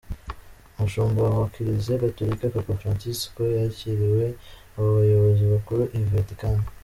Umushumba wa Kiliziya Gatolika, Papa Fransisiko, yakiriwe abo bayobozi bakuru i Vatican.